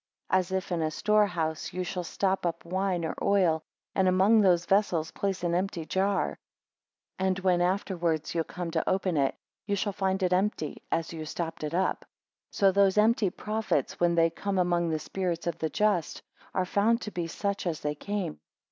4 As if in a store house you shall stop up wine or oil, and among those vessels place an empty jar; and when afterwards you come to open it, you shall find it empty as you stopped it up; so those empty prophets when they come among the spirits of the just, are found to be such as they came.